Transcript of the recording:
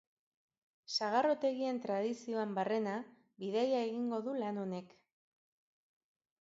Sagardotegien tradizioan barrena bidaia egingo du lan honek.